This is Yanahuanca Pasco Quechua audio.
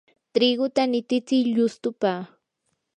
triguta nititsi llustupa.